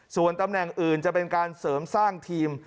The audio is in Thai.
ส่วนตำแหน่งอื่นจะเป็นการเสริมสร้างทีม